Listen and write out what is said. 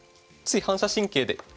つい反射神経で。